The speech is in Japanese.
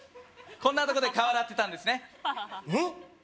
こんなとこで顔洗ってたんですねうん？